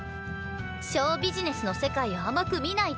ショウビジネスの世界を甘く見ないで。